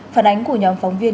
phản ánh của nhóm phóng viên